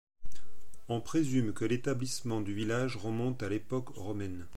On présume que l’établissement du village remonte à l’époque romaine.